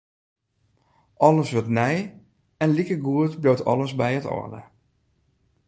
Alles wurdt nij en likegoed bliuwt alles by it âlde.